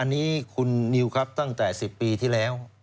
อันนี้คุณนิวครับตั้งแต่๑๐ปีที่แล้ว